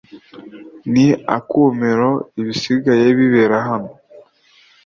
Ni akumiro ibisigaye bibera hano